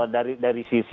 dari sisi peningkatan oke